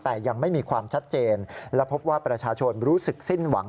แต่ยังไม่มีความชัดเจนและพบว่าประชาชนรู้สึกสิ้นหวัง